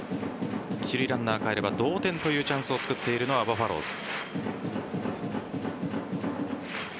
一塁ランナーかえれば同点というチャンスを作っているのはバファローズ。